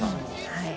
はい。